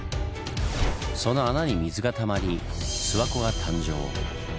その穴に水がたまり諏訪湖が誕生。